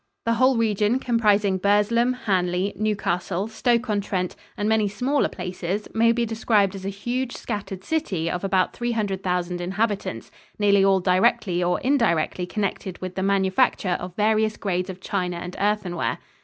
The whole region comprising Burslem, Hanley, Newcastle, Stoke on Trent and many smaller places may be described as a huge, scattered city of about 300,000 inhabitants, nearly all directly or indirectly connected with the manufacture of various grades of china and earthenware.